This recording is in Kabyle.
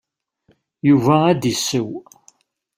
Yuba ad d-issew.